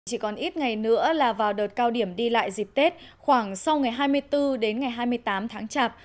chỉ còn ít ngày nữa là vào đợt cao điểm đi lại dịp tết khoảng sau ngày hai mươi bốn đến ngày hai mươi tám tháng chạp